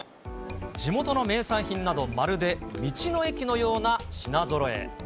地元の名産品など、まるで道の駅のような品ぞろえ。